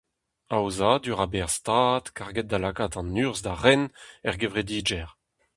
Aozadur a-berzh Stad, karget da lakaat an urzh da ren er gevredigezh.